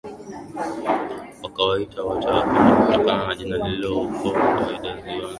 wakawaita wote Wakonde kutokana na jina lililokuwa kawaida ziwani